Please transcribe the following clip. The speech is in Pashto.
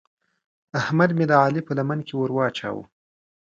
احمد مې د علي په لمن کې ور واچاوو.